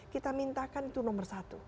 kita mintakan itu nomor satu